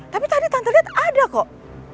tapi tadi tante lihat ada kok